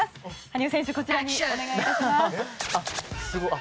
羽生選手、こちらにお願い致します。